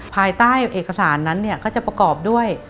ภายใต้เอกสารนั้นเนี่ยก็จะประกอบด้วย